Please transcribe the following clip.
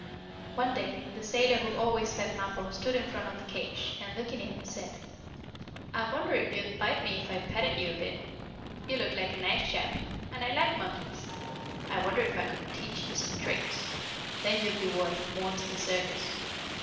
One day the sailor who always fed Mappo stood in front of the cage, and, looking in, said: "I wonder if you'd bite me if I petted you a bit? You look like a nice chap, and I like monkeys. I wonder if I couldn't teach you some tricks. Then you'd be worth more to the circus.